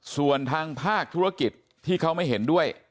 ส่วนทางภาคธุรกิจที่เขาไม่เห็นด้วย